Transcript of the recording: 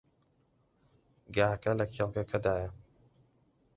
گاکە لە کێڵگەکەدایە.